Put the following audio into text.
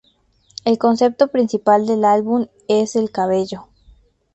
El concepto principal del álbum es el cabello.